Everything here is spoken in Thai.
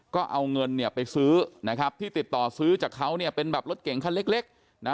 ก็เอาเงินเนี่ยไปซื้อนะครับที่ติดต่อซื้อจากเขาเนี่ยเป็นแบบรถเก่งคันเล็กเล็กนะ